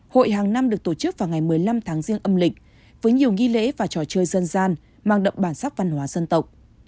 hội hàng năm được tổ chức vào ngày một mươi năm tháng riêng âm lịch với nhiều nghi lễ và trò chơi dân gian mang đậm bản sắc văn hóa dân tộc